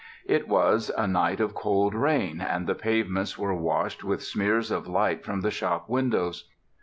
It was a night of cold rain, and the pavements were dashed with smears of light from the shop windows.